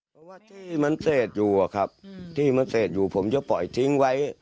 เพราะว่าที่มันเศษอยู่อะครับที่มันเศษอยู่ผมจะปล่อยทิ้งไว้